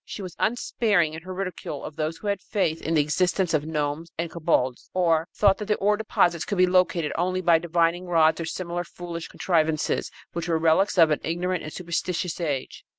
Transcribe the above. She was unsparing in her ridicule of those who had faith in the existence of gnomes and kobolds, or thought that ore deposits could be located only by divining rods or similar foolish contrivances which were relics of an ignorant and superstitious age.